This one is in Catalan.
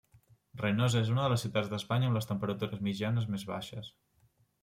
Reinosa és una de les ciutats d'Espanya amb les temperatures mitjanes més baixes.